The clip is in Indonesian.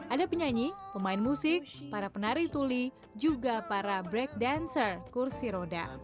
ada penyanyi pemain musik para penari tuli juga para break dancer kursi roda